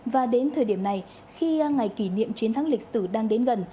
và đến thời điểm này khi ngày kỷ niệm chiến thắng lịch sử đang đến gần